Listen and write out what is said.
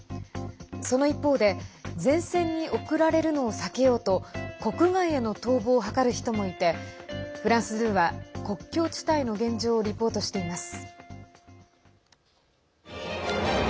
その一方で前線に送られるのを避けようと国外への逃亡を図る人もいてフランス２は国境地帯の現状をリポートしています。